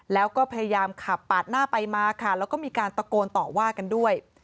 แล้วก็พยายามขับปาดหน้าไปมาค่ะแล้วก็มีการตะโกนต่อว่ากันด้วย